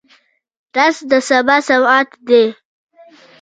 رس د سبا سوغات دی